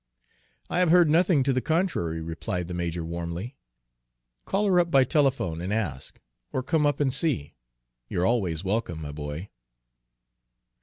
"I have heard nothing to the contrary," replied the major warmly. "Call her up by telephone and ask or come up and see. You're always welcome, my boy."